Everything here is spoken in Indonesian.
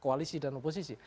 koalisi dan oposisi